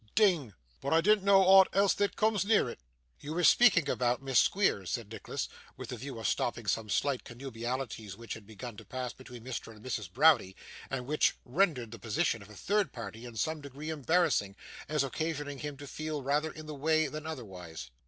'Ding! But I dinnot know ought else that cooms near it.' 'You were speaking about Miss Squeers,' said Nicholas, with the view of stopping some slight connubialities which had begun to pass between Mr and Mrs. Browdie, and which rendered the position of a third party in some degree embarrassing, as occasioning him to feel rather in the way than otherwise.